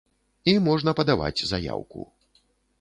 І можна падаваць заяўку.